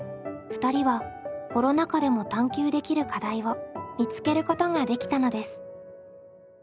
２人はコロナ禍でも探究できる課題を見つけることができたのです。